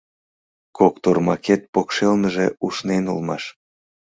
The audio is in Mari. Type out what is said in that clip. Кок тормакет покшелныже ушнен улмаш.